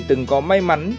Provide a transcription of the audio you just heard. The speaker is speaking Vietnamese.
từng có may mắn